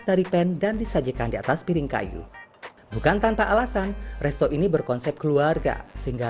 dari pen dan disajikan di atas piring kayu bukan tanpa alasan resto ini berkonsep keluarga sehingga